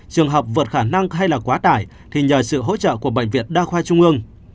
trường hợp vượt khả năng hay là quá tải thì nhờ sự hỗ trợ của bệnh viện đa khoa trung ương